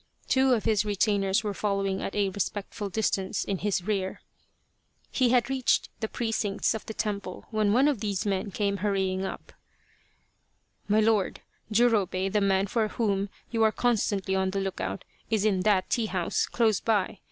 Two of his retainers were following at a respectful distance in his rear. He had reached the precincts of the temple when one of these men came hurrying up :" My lord ! Jurobei, the man for whom you are constantly on the look out, is in that tea house close by.